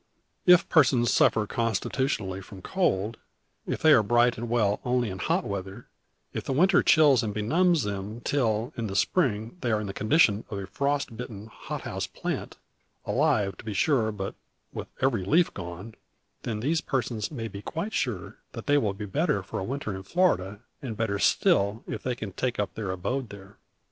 If persons suffer constitutionally from cold; if they are bright and well only in hot weather; if the winter chills and benumbs them, till, in the spring, they are in the condition of a frost bitten hot house plant, alive, to be sure, but with every leaf gone, then these persons may be quite sure that they will be the better for a winter in Florida, and better still if they can take up their abode there.